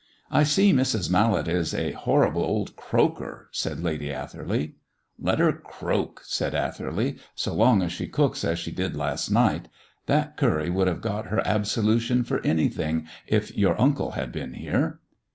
"I can see Mrs. Mallet is a horrible old croaker," said Lady Atherley. "Let her croak," said Atherley, "so long as she cooks as she did last night. That curry would have got her absolution for anything if your uncle had been here."